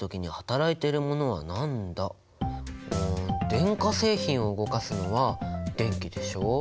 電化製品を動かすのは電気でしょ。